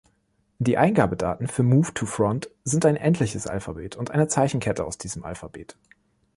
Die Eingabedaten für Move-to-Front sind ein endliches Alphabet und eine Zeichenkette aus diesem Alphabet.